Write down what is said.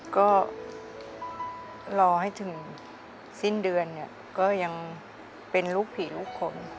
ก็รอให้ถึงสิ้นเดือนเนี่ยก็ยังเป็นลูกผีลูกคน